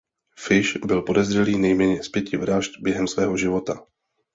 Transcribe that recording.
Fish byl podezřelý nejméně z pěti vražd během svého života.